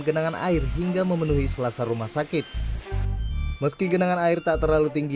genangan air hingga memenuhi selasa rumah sakit meski genangan air tak terlalu tinggi